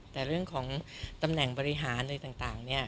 แต่เรื่องของตำแหน่งบริหารอะไรต่างเนี่ย